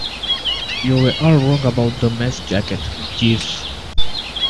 You're all wrong about that mess jacket, Jeeves.